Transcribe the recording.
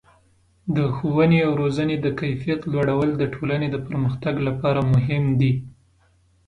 د ښوونې او روزنې د کیفیت لوړول د ټولنې د پرمختګ لپاره مهم دي.